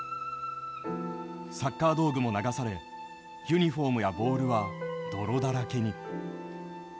サッカー道具も流されユニホームやボールは泥だらけに。